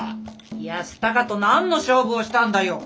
康隆と何の勝負をしたんだよ！？